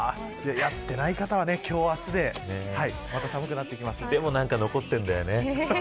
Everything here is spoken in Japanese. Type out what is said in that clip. やってない方は、今日明日ででも何か残ってるんだよね。